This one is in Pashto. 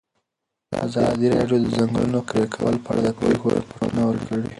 ازادي راډیو د د ځنګلونو پرېکول په اړه د پېښو رپوټونه ورکړي.